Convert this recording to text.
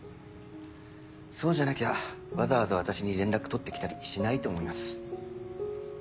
そうじゃなきゃわざわざ私に連絡取って来たりしないと思います。